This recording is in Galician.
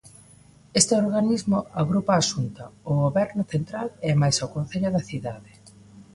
Este organismo agrupa a Xunta, o Goberno central e mais o Concello da cidade.